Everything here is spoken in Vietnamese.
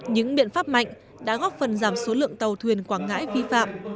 những biện pháp mạnh đã góp phần giảm số lượng tàu thuyền quảng ngãi vi phạm